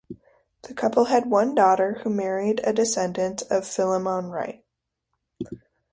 The couple had one daughter, who married a descendant of Philemon Wright.